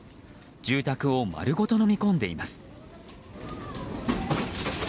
住宅を丸ごとのみ込んでいます。